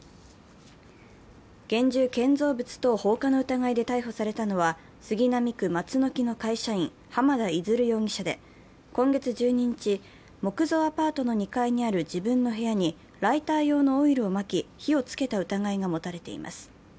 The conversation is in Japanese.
現住建造物等放火の疑いで逮捕されたのは、杉並区松ノ木の会社員、浜田出容疑者で今月１２日、木造アパートの２階にある自分の部屋にライター用のオイルをまき、火をつけた疑いが持たれています。